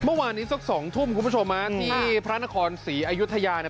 เมื่อวานนี้สักสองทุ่มคุณผู้ชมฮะที่พระนครศรีอยุธยาเนี่ย